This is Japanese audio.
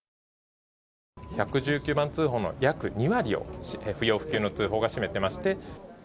１１９番通報の約２割を不要不急の通報が占めてまして。